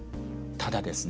ただですね